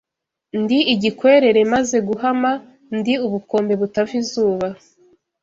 Ndi igikwerere maze guhama, ndi ubukombe butava izuba